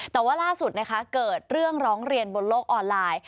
แต่ว่าล่าสุดนะคะเกิดเรื่องร้องเรียนบนโลกออนไลน์